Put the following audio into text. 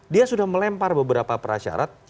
dia sudah melempar beberapa persyarat